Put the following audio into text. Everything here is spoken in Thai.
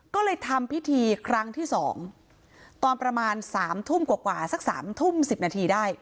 ก็เลยทำพิธีครั้งที่สองตอนประมาณสามทุ่มกว่ากว่าสักสามทุ่มสิบนาทีได้